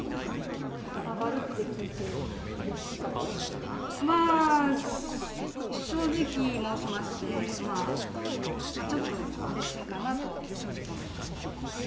上がるって聞いてうれしかっまあ、正直申しまして、ちょっとうれしいかなとは正直思いました。